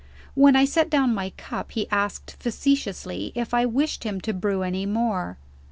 When I set down my cup, he asked facetiously if I wished him to brew any more.